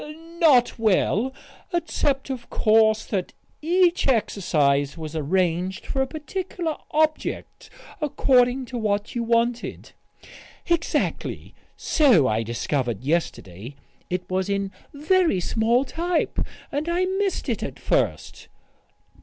"Not well. Except, of course, that each exercise was arranged for a particular object, according to what you wanted." "Exactly. So I discovered yesterday. It was in very small type, and I missed it at first."